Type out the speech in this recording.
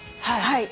はい。